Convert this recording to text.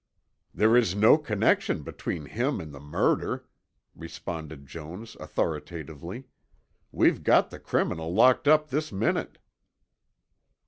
"There is no connection between him and the murder," responded Jones authoritatively. "We've got the criminal locked up this minute."